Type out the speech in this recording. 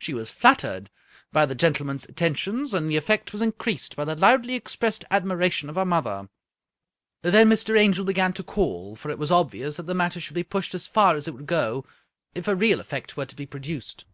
She was flattered by the gentleman's attentions, and the effect was increased by the loudly expressed admira tion of her mother. Then Mr. Angel began to call, for it was obvious that the matter should be pushed as far as if would go, if a real effect were to be produced.